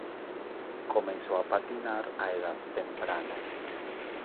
Comenzó a patinar a edad temprana.